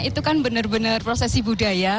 itu kan benar benar prosesi budaya